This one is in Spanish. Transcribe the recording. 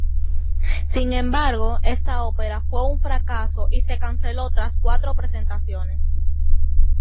Sin embargo, esta ópera fue un fracaso y se canceló tras cuatro representaciones.